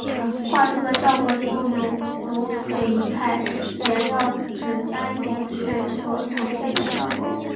画出来的效果就有如水彩颜料只加一点水所呈现的效果。